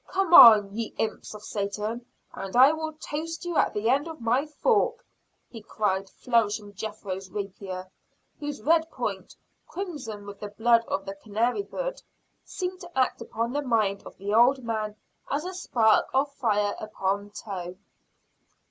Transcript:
"Come on, ye imps of Satan, and I will toast you at the end of my fork," he cried, flourishing Jethro's rapier, whose red point, crimson with the blood of the canary bird, seemed to act upon the mind of the old man as a spark of fire upon tow.